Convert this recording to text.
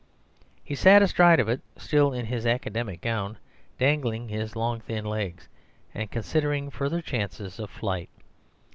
He sat astride of it, still in his academic gown, dangling his long thin legs, and considering further chances of flight.